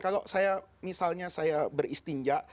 kalau misalnya saya beristinja